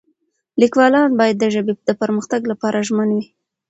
لیکوالان باید د ژبې د پرمختګ لپاره ژمن وي.